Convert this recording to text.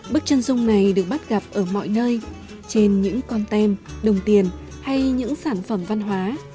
bức chân dung này được bắt gặp ở mọi nơi trên những con tem đồng tiền hay những sản phẩm văn hóa